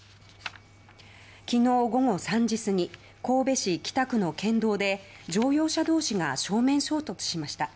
昨日午後３時過ぎ神戸市北区の県道で乗用車同士が正面衝突しました。